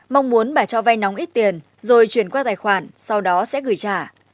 mong muốn bà cho vay nóng ít tiền rồi chuyển qua tài khoản sau đó sẽ gửi trả